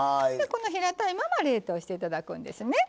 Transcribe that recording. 平たいまま冷凍していただくんですね。